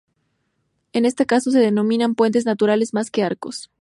En este caso se denominan puentes naturales más que arcos.